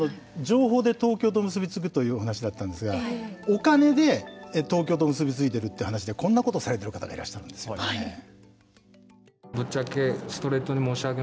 情報で東京と結び付くというお話だったんですがお金で東京と結び付いているという話でこんなことをされている方がいらっしゃるんですよね。